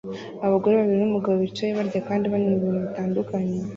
Abagore babiri n'umugabo bicaye barya kandi banywa ibintu bitandukanye